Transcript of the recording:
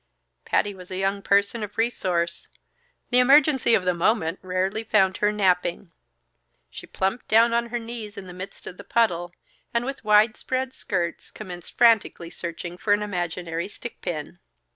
Patty was a young person of resource; the emergency of the moment rarely found her napping. She plumped down on her knees in the midst of the puddle, and with widespread skirts, commenced frantically searching for an imaginary stick pin.